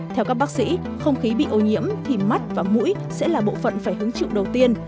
theo các bác sĩ không khí bị ô nhiễm thì mắt và mũi sẽ là bộ phận phải hứng chịu đầu tiên